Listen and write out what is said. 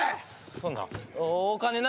そんな。